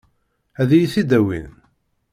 Ad iyi-t-id-awin?